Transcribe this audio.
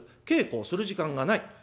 稽古をする時間がない。